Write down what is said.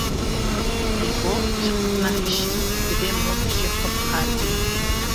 Ji bo pêşxistina hişî, divê mirov hişê xwe bi kar bîne.